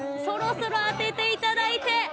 そろそろ当てていただいて。